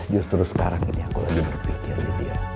justru sekarang ini aku lagi berpikir lydia